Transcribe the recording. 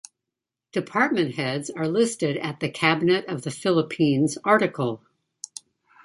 Department heads are listed at the Cabinet of the Philippines article.